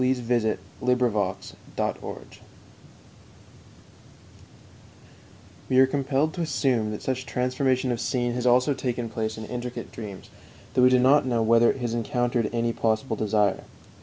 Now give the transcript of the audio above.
_ II THE DREAM MECHANISM We are compelled to assume that such transformation of scene has also taken place in intricate dreams, though we do not know whether it has encountered any possible desire.